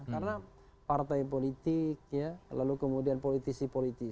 karena partai politik lalu kemudian politisi politisi